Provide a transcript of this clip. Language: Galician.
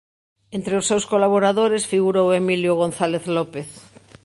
Entre os seus colaboradores figurou Emilio González López.